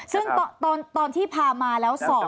ซึ่งตอนที่พามาแล้วสอบ